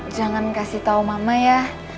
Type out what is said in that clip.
jangan kasih tahu mama ya